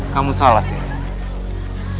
kamu salah sir